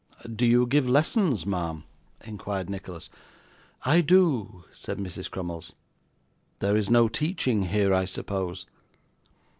'Do you give lessons, ma'am?' inquired Nicholas. 'I do,' said Mrs. Crummles. 'There is no teaching here, I suppose?